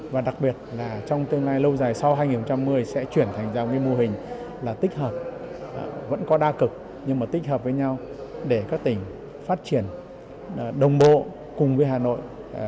và đặc biệt là trong tương lai lâu dài sau hai nghìn hai mươi sẽ chuyển thành ra cái mô hình là tích hợp vẫn có đa cực nhưng mà tích hợp với nhau để các tỉnh phát triển đồng bộ cùng với hà nội